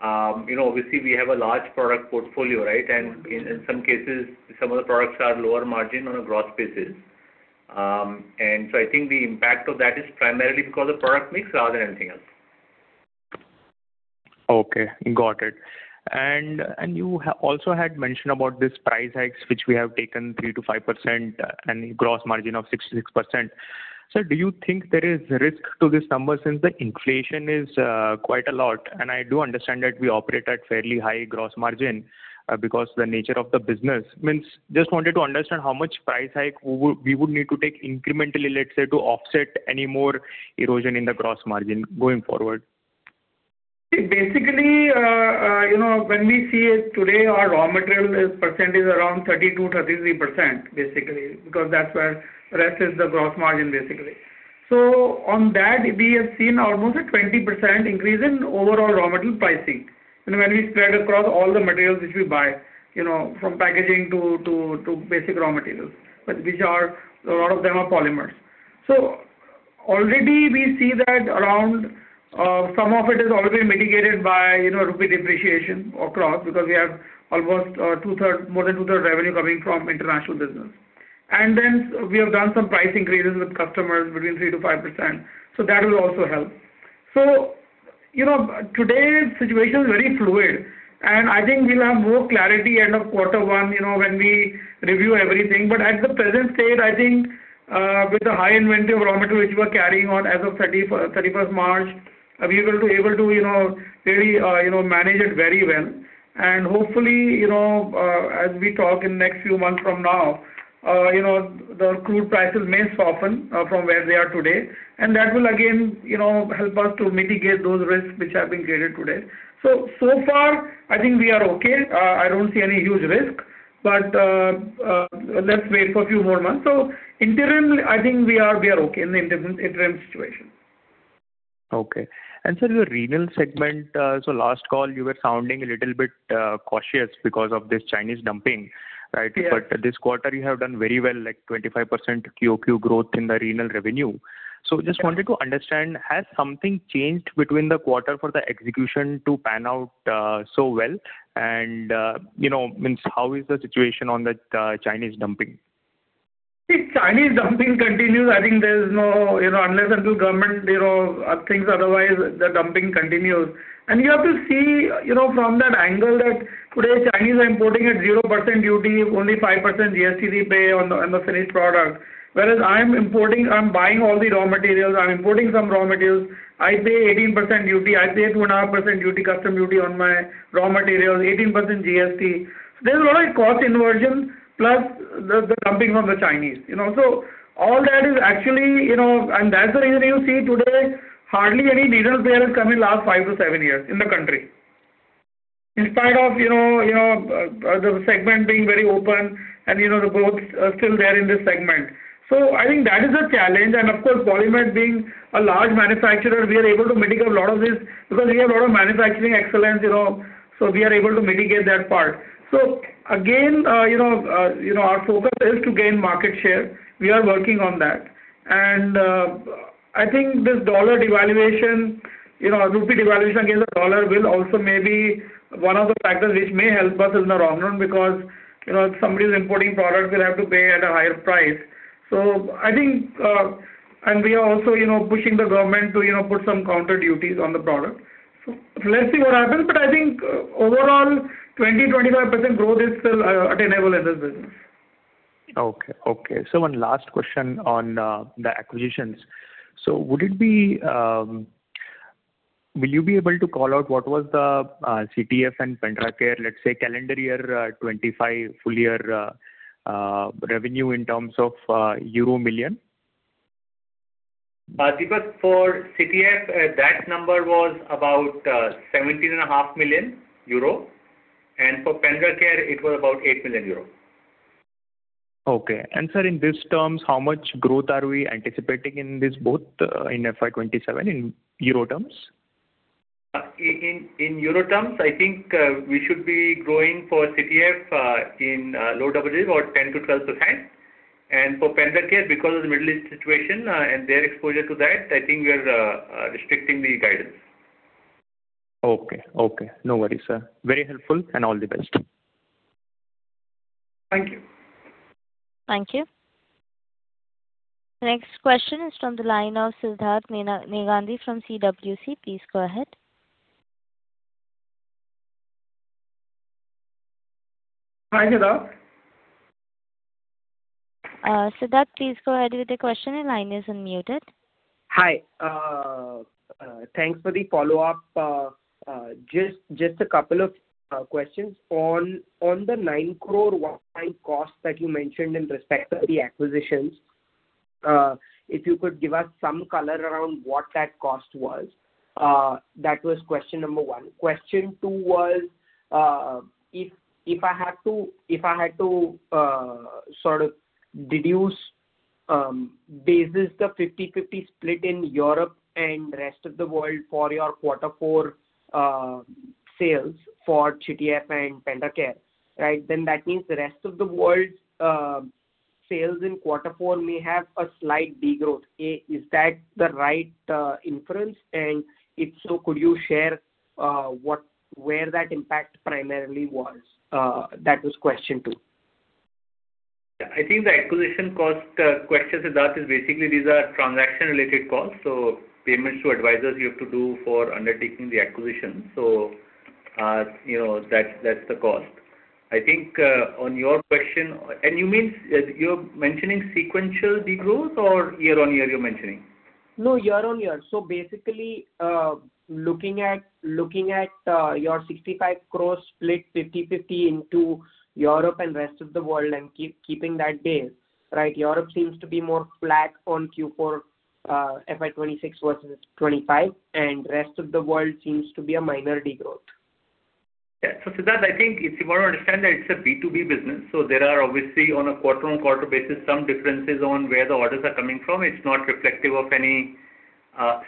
Obviously we have a large product portfolio, right? In some cases, some of the products are lower margin on a gross basis. I think the impact of that is primarily because of product mix rather than anything else. Okay. Got it. You also had mentioned about this price hikes, which we have taken 3%-5% and gross margin of 66%. Sir, do you think there is risk to this number since the inflation is quite a lot, and I do understand that we operate at fairly high gross margin because the nature of the business. Means, just wanted to understand how much price hike we would need to take incrementally, let's say, to offset any more erosion in the gross margin going forward. See, when we see it today, our raw material percentage is around 32%-33%, because that's where the rest is the gross margin. On that, we have seen almost a 20% increase in overall raw material pricing. When we spread across all the materials which we buy, from packaging to basic raw materials, a lot of them are polymers. Already we see that some of it is already mitigated by rupee depreciation across, because we have almost more than two-third revenue coming from international business. We have done some price increases with customers between 3%-5%. That will also help. Today's situation is very fluid, and I think we'll have more clarity end of Q1, when we review everything. At the present state, I think, with the high inventory raw material which we're carrying on as of 31st March, we were able to manage it very well. Hopefully, as we talk in next few months from now, the crude prices may soften from where they are today. That will again help us to mitigate those risks which have been created today. So far I think we are okay. I don't see any huge risk, but let's wait for few more months. Interim, I think we are okay in the interim situation. Okay. Sir, the renal segment, so last call you were sounding a little bit cautious because of this Chinese dumping, right? Yes. This quarter you have done very well, like 25% QoQ growth in the renal revenue. Just wanted to understand, has something changed between the quarter for the execution to pan out so well, and how is the situation on that Chinese dumping? If Chinese dumping continues, I think there's no unless and until government thinks otherwise, the dumping continues. You have to see from that angle, that today Chinese are importing at 0% duty, only 5% GST they pay on the finished product. Whereas I'm importing, I'm buying all the raw materials, I'm importing some raw materials. I pay 18% duty, I pay 2.5% custom duty on my raw materials, 18% GST. There's a lot of cost inversion plus the dumping from the Chinese. That's the reason you see today, hardly any needles player has come in last five to seven years in the country, in spite of the segment being very open and the growth still there in this segment. I think that is a challenge, and of course, Polymed being a large manufacturer, we are able to mitigate a lot of this because we have a lot of manufacturing excellence. We are able to mitigate that part. Again, our focus is to gain market share. We are working on that. I think this dollar devaluation, rupee devaluation against the dollar will also may be one of the factors which may help us in the long run, because if somebody is importing products, they'll have to pay at a higher price. We are also pushing the government to put some counter duties on the product. Let's see what happens, but I think overall, 20%-25% growth is still attainable as a business. Okay. Sir, one last question on the acquisitions. Will you be able to call out what was the CTF and PendraCare, let's say, calendar year 2025 full-year revenue in terms of euro million? Deepak, for CTF, that number was about 17.5 million euro, and for PendraCare it was about 8 million euro. Okay. Sir, in these terms, how much growth are we anticipating in this, both in FY 2027 in euro terms? In euro terms, I think we should be growing for CTF in low double digit or 10%-12%, and for PendraCare, because of the Middle East situation, and their exposure to that, I think we are restricting the guidance. Okay. No worries, sir. Very helpful, and all the best. Thank you. Thank you. Next question is from the line of Sidharth Negandhi from CWC. Please go ahead. Hi, Sidharth. Sidharth, please go ahead with the question. Your line is unmuted. Hi. Thanks for the follow-up. Just a couple of questions. On the 9 crore one-time cost that you mentioned in respect of the acquisitions. If you could give us some color around what that cost was. That was question number one. Question two was, if I had to deduce basis the 50/50 split in Europe and rest of the world for your Q4 sales for CTF and PendraCare, that means the rest of the world sales in Q4 may have a slight de-growth. Is that the right inference? If so, could you share where that impact primarily was? That was question two. I think the acquisition cost question, Sidharth, is basically these are transaction-related costs, so payments to advisors you have to do for undertaking the acquisition. That's the cost. I think on your question. You mean, you're mentioning sequential de-growth or year-on-year you're mentioning? Year-over-year. Basically, looking at your 65 crores split 50/50 into Europe and rest of the world and keeping that base. Europe seems to be more flat on Q4 FY 2026 versus 2025, rest of the world seems to be a minor de-growth. Yeah. Sidharth, I think if you want to understand that it's a B2B business, there are obviously on a quarter-on-quarter basis some differences on where the orders are coming from. It's not reflective of any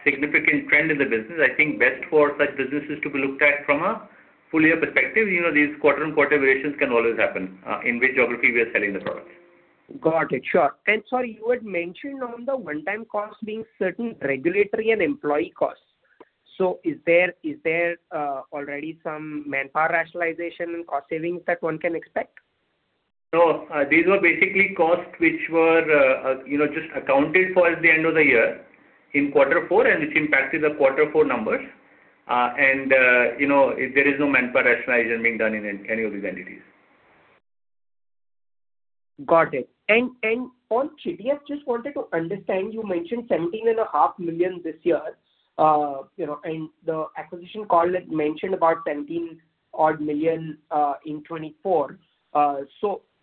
significant trend in the business. I think best for such business is to be looked at from a full-year perspective. These quarter-on-quarter variations can always happen in which geography we are selling the product. Got it. Sure. You had mentioned on the one-time cost being certain regulatory and employee costs. Is there already some manpower rationalization cost savings that one can expect? No. These were basically costs which were just accounted for at the end of the year in Q4, and which impacted the Q4 numbers. There is no manpower rationalization being done in any of these entities. Got it. On CTF, just wanted to understand, you mentioned 17.5 million this year. In the acquisition call, it mentioned about 17 odd million in 2024.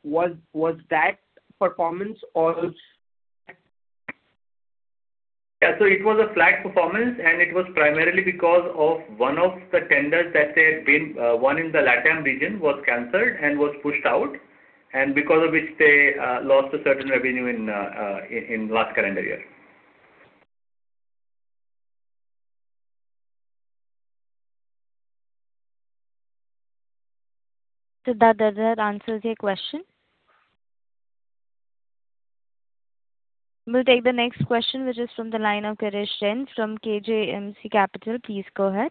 Was that performance or? Yeah. It was a flat performance, and it was primarily because of one of the tenders that they had bid, one in the LATAM region, was canceled and was pushed out, and because of which they lost a certain revenue in last calendar year. Sidharth, does that answer your question? We will take the next question, which is from the line of Girish Jain from KJMC Capital. Please go ahead.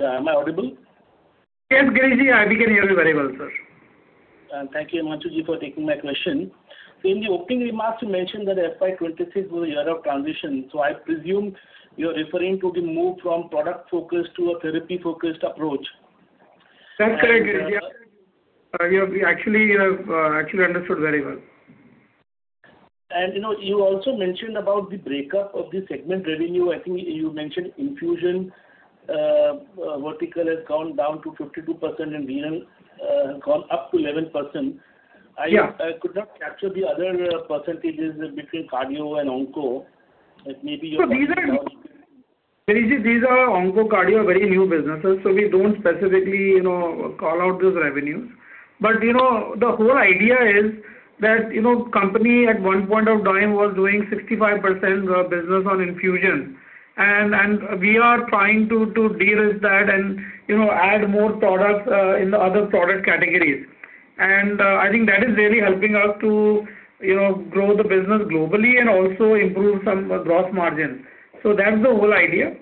Am I audible? Yes, Girish. I can hear you very well, sir. Thank you very much, for taking my question. In the opening remarks, you mentioned that FY 2026 was a year of transition. I presume you're referring to the move from product-focused to a therapy-focused approach. That's correct, Girish. You have actually understood very well. You also mentioned about the breakup of the segment revenue. I think you mentioned infusion vertical has gone down to 52% and neonatal up to 11%. Yeah. I could not capture the other percentages between cardio and onco. These are onco, cardio, very new businesses, so we don't specifically call out those revenues. The whole idea is that company at one point of time was doing 65% business on infusion. We are trying to deal with that and add more products in the other product categories. I think that is really helping us to grow the business globally and also improve some gross margins. That's the whole idea.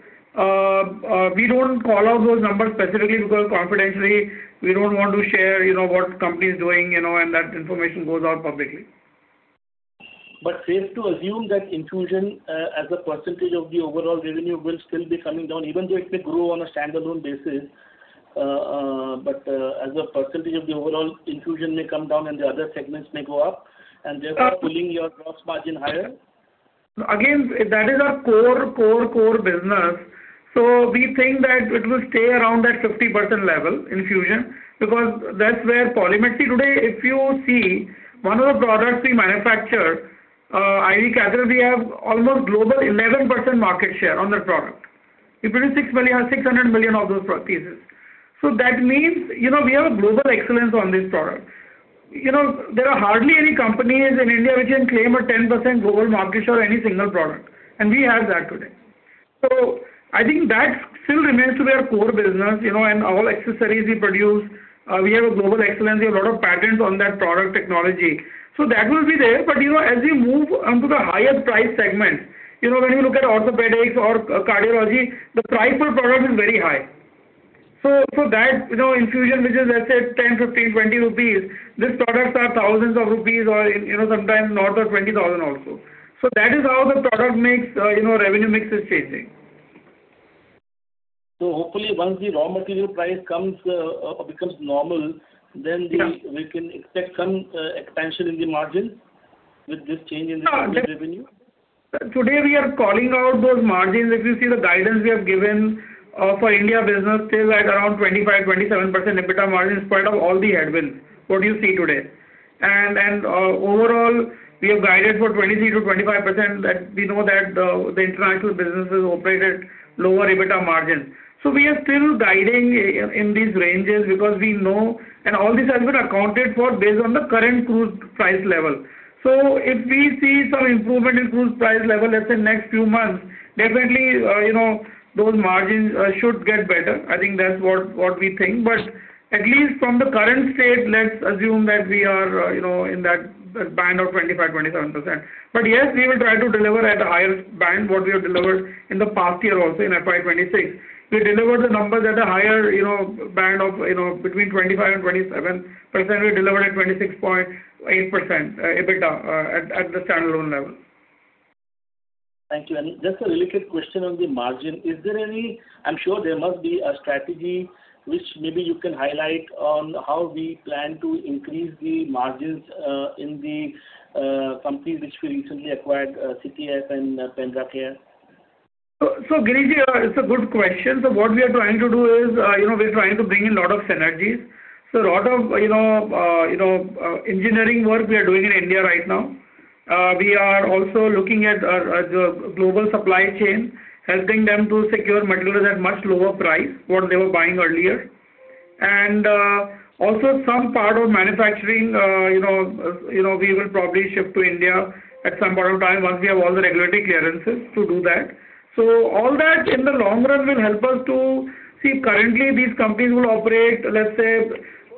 We don't call out those numbers specifically because confidentially we don't want to share what company's doing, and that information goes out publicly. Safe to assume that infusion as a percentage of the overall revenue will still be coming down, even if it may grow on a standalone basis. As a percentage of the overall infusion may come down and the other segments may go up, and thereby pulling your gross margin higher? That is our core business. We think that it will stay around that 50% level, infusion, because that's where Poly Medicure today, if you see, one of the products we manufacture, IV catheter, we have almost global 11% market share on that product. It is 6 million or 600 million doses. That means we have a global excellence on this product. There are hardly any companies in India which can claim a 10% global market share on any single product, we have that today. I think that still remains to be our core business, all accessories we produce, we have a global excellence. We have a lot of patents on that product technology. That will be there. As we move onto the higher price segment, when you look at orthopedics or cardiology, the price per product is very high. That infusion, which is let's say 10, 15, 20 rupees, these products are thousands of INR or sometimes north of 20,000 also. That is how the revenue mix is changing. Hopefully once the raw material price becomes normal, then we can expect some expansion in the margin with this change in the revenue mix. Today, we are calling out those margins. If you see the guidance we have given for India business still at around 25%-27% EBITDA margin in spite of all the headwinds, what you see today. Overall, we have guided for 23%-25%, that we know that the international businesses operate at lower EBITDA margins. We are still guiding in these ranges because we know, and all these have been accounted for based on the current crude price level. If we see some improvement in crude price level, let's say in next few months, definitely, those margins should get better. I think that's what we think, but at least from the current state, let's assume that we are in that band of 25%-27%. Yes, we will try to deliver at a higher band what we have delivered in the past year also in FY 2026. We delivered the numbers at a higher band of between 25% and 27%, we delivered at 26.8% EBITDA at the standalone level. Thank you. Just a related question on the margin. I am sure there must be a strategy which maybe you can highlight on how we plan to increase the margins in the company, which we recently acquired, CTF and PendraCare. Girish, it's a good question. What we are trying to do is, we're trying to bring in a lot of synergies. A lot of engineering work we are doing in India right now. We are also looking at the global supply chain, helping them to secure materials at much lower price, what they were buying earlier. Also some part of manufacturing, we will probably ship to India at some point of time once we have all the regulatory clearances to do that. All that in the long run will help us to See, currently these companies would operate, let's say,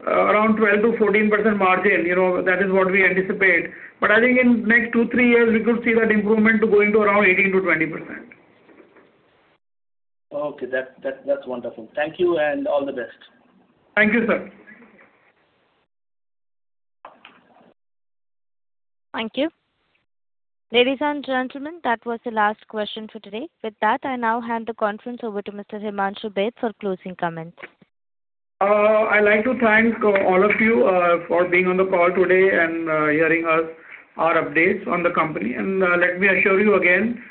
around 12%-14% margin. That is what we anticipate. I think in next two, three years, we could see that improvement going to around 18%-20%. Okay. That's wonderful. Thank you and all the best. Thank you, sir. Thank you. Ladies and gentlemen, that was the last question for today. With that, I now hand the conference over to Mr. Himanshu Baid for closing comments. I'd like to thank all of you for being on the call today and hearing our updates on the company. Let me assure you again,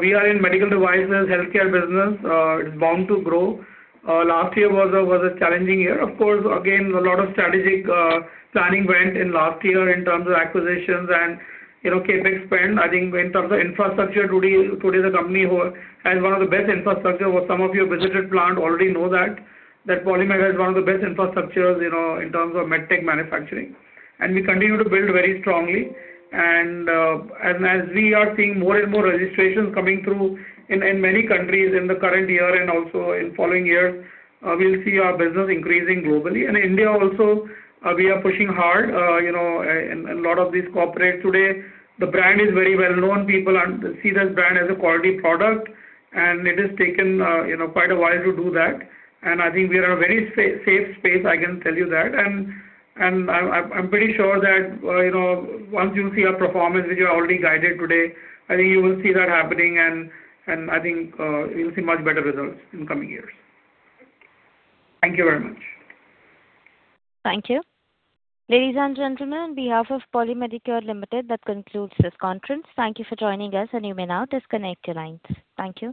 we are in medical devices, healthcare business, it's bound to grow. Last year was a challenging year. Of course, again, a lot of strategic planning went in last year in terms of acquisitions and CapEx spend. I think in terms of infrastructure today, the company has one of the best infrastructure. Some of you visited plant already know that Poly Medicure has one of the best infrastructures in terms of med tech manufacturing. We continue to build very strongly. As we are seeing more and more registrations coming through in many countries in the current year and also in following year, we'll see our business increasing globally. In India also, we are pushing hard. In a lot of these corporates today, the brand is very well-known. People see this brand as a quality product, it has taken quite a while to do that. I think we are very safe space, I can tell you that. I'm pretty sure that once you see our performance, which we have already guided today, I think you will see that happening and I think you'll see much better results in coming years. Thank you very much. Thank you. Ladies and gentlemen, on behalf of Poly Medicure Limited, that concludes this conference. Thank you for joining us, and you may now disconnect your lines. Thank you.